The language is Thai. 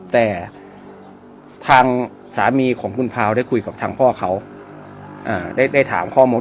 แต่ทางสามีของคุณพาวได้คุยกับทางพ่อเขาได้ถามข้อมูล